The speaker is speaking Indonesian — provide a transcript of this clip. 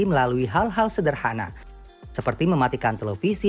melalui hal hal sederhana seperti mematikan televisi